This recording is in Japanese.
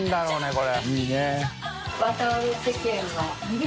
これ。